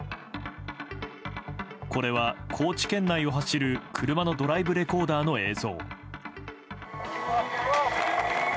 これは、高知県内を走る車のドライブレコーダーの映像。